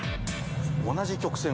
同じ曲線